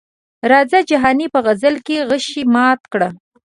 راځه جهاني په غزل کې غشي مات کړه.